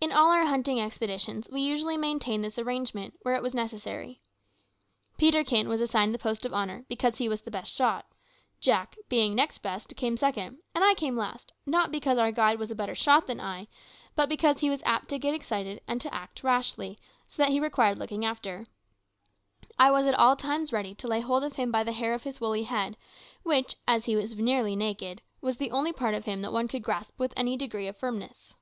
In all our hunting expeditions we usually maintained this arrangement, where it was necessary. Peterkin was assigned the post of honour, because he was the best shot; Jack, being next best, came second; and I came last, not because our guide was a better shot than I, but because he was apt to get excited and to act rashly, so that he required looking after. I was at all times ready to lay hold of him by the hair of his woolly head, which, as he was nearly naked, was the only part of him that one could grasp with any degree of firmness.